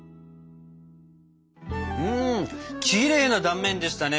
きれいな断面でしたね